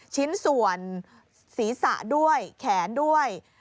ชิ้นส่วนศีรษะด้วยแขนด้วย